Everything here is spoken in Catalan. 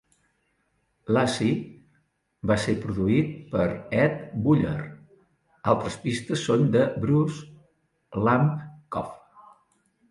"Lazy" va ser produït per Ed Buller, altres pistes són de Bruce Lampcov.